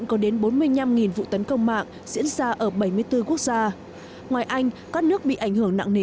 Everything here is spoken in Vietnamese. có đến bốn mươi năm vụ tấn công mạng diễn ra ở bảy mươi bốn quốc gia ngoài anh các nước bị ảnh hưởng nặng nề